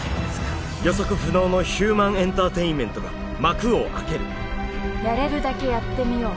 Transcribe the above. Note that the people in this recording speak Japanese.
予測不能のヒューマンエンターテインメントが幕を開ける「やれるだけやってみよう」